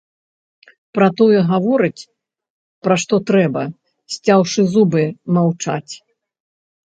Пра тое гаворыць, пра што трэба, сцяўшы зубы, маўчаць.